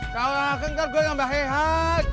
kalau aku ngergo yang bahaya